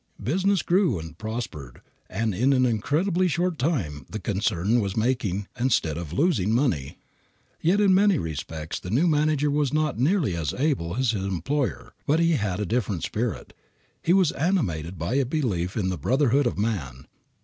Business grew and prospered, and in an incredibly short time, the concern was making instead of losing money. Yet in many respects the new manager was not nearly as able as his employer, but he had a different spirit. He was animated by a belief in the brotherhood of man.